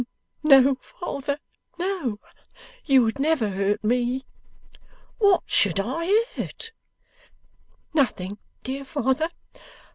'No, father, no; you would never hurt me.' 'What should I hurt?' 'Nothing, dear father.